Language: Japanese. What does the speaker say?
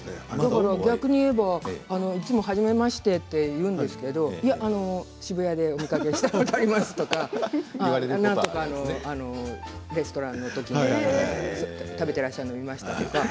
逆に言えばいつもはじめましてと言うんですけど渋谷でお見かけしたことありますとかなんとかのレストランの時に食べてらっしゃるのを見ましたとか。